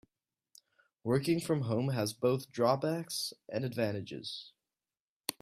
Working from home has both drawbacks and advantages.